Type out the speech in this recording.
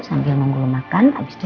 pasti susu menjarahkan rumahnya